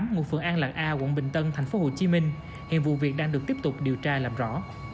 ngụ phường an lạc a quận bình tân tp hcm hiện vụ việc đang được tiếp tục điều tra làm rõ